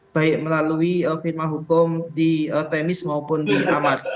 baik melalui firma hukum di temis maupun di amar